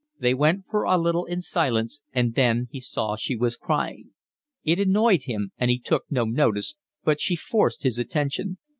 They went for a little in silence, and then he saw she was crying. It annoyed him, and he took no notice, but she forced his attention.